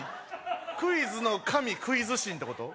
クイズの神クイズ神ってこと？